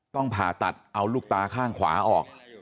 ผ่าตัดเอาลูกตาข้างขวาออก